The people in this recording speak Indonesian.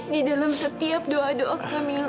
di dalam setiap doa doa kak mila